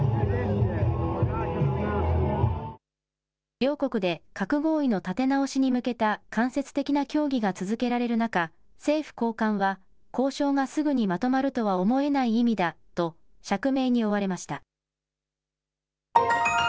両国で核合意の立て直しに向けた間接的な協議が続けられる中、政府高官は交渉がすぐにまとまるとは思えない意味だと釈明に追われました。